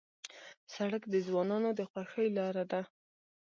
سړک د ځوانانو د خوښۍ لاره ده.